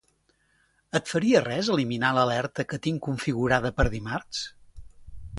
Et faria res eliminar l'alerta que tinc configurada per dimarts?